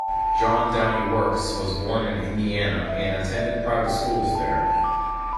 John Downey Works was born in Indiana and attended private schools there.